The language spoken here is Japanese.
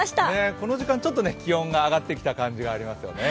この時間ちょっと気温が上がってきた感じがありますよね。